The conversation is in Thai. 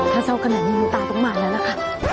ถ้าเศร้ากันอย่างนี้มือตาต้องมาแล้วนะคะ